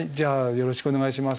よろしくお願いします。